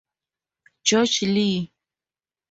George Lee.